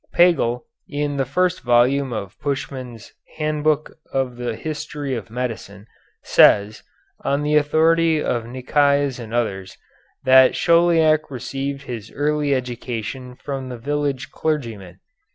Pagel, in the first volume of Puschmann's "Handbook of the History of Medicine," says, on the authority of Nicaise and others, that Chauliac received his early education from the village clergyman.